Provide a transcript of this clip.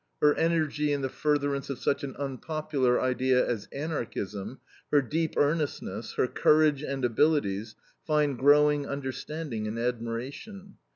Her energy in the furtherance of such an unpopular idea as Anarchism, her deep earnestness, her courage and abilities, find growing understanding and admiration.